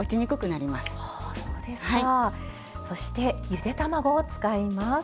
そしてゆで卵を使います。